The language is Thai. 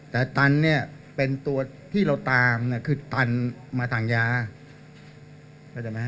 แต่ตันเนี่ยเป็นตัวที่เราตามนี่คือตันมาถังยาก็จ่ะไหมครับ